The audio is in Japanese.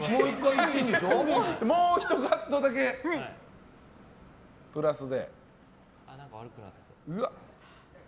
もう１カットだけ、プラスで。